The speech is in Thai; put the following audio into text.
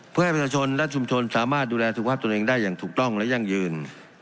เพื่อให้ประชาชนและชุมชนสามารถดูแลสุขภาพตัวเองได้อย่างถูกต้องและยั่งยืน